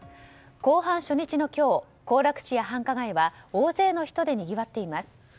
後半初日の今日行楽地や繁華街は大勢の人でにぎわっています。